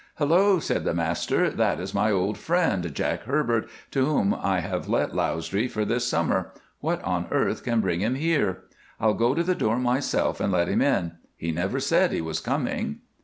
'Hullo!' said the master, 'that is my old friend, Jack Herbert, to whom I have let Lausdree for this summer. What on earth can bring him here? I'll go to the door myself and let him in. He never said he was coming.